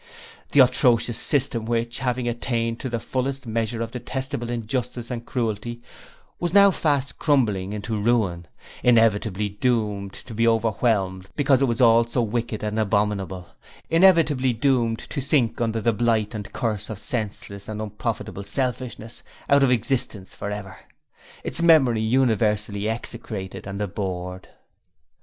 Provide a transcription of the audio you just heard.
That atrocious system which, having attained to the fullest measure of detestable injustice and cruelty, was now fast crumbling into ruin, inevitably doomed to be overwhelmed because it was all so wicked and abominable, inevitably doomed to sink under the blight and curse of senseless and unprofitable selfishness out of existence for ever, its memory universally execrated and abhorred.